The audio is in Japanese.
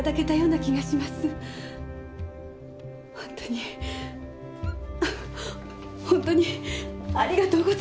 本当に本当にありがとうございました。